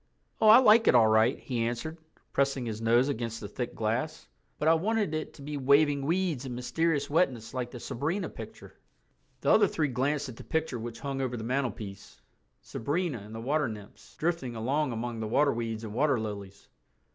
"Oh, I like it all right," he answered, pressing his nose against the thick glass, "but I wanted it to be waving weeds and mysterious wetness like the Sabrina picture." The other three glanced at the picture which hung over the mantelpiece—Sabrina and the water nymphs, drifting along among the waterweeds and water lilies.